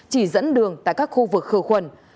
chỉ dẫn đường tại các khu vực khử khuẩn